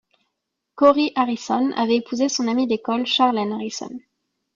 Corey Harrison avait épousé son amie d'école Charlène Harrison.